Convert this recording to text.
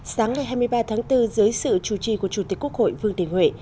sáng ngày hai mươi ba tháng bốn dưới sự chủ trì của chủ tịch quốc hội vương đình huệ